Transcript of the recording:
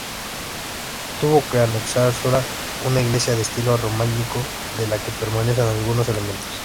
Tuvo como antecesora una iglesia de estilo Románico, de la que permanecen algunos elementos.